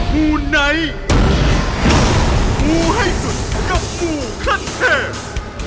มูไนท์มูให้สุดกับงูขั้นเทพ